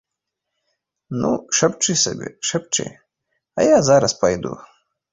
Ну, шапчы сабе, шапчы, а я зараз пайду.